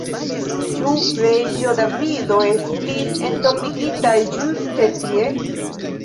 Ĉu reĝo Davido estis entombigita ĝuste tie?